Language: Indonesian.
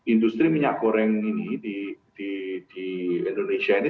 industri minyak goreng ini di indonesia ini